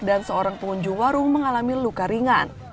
dan seorang pengunjung warung mengalami luka ringan